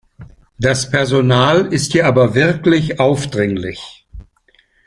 Das Personal ist hier aber wirklich aufdringlich.